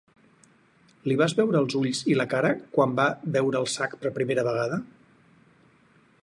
Li vas veure els ulls i la cara quan va veure el sac per primera vegada?